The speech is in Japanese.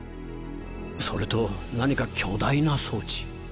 それと何か巨大な装置